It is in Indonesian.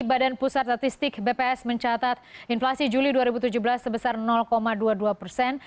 badan pusat statistik bps mencatat inflasi juli dua ribu tujuh belas sebesar dua puluh dua persen